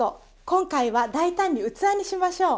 今回は大胆に器にしましょう。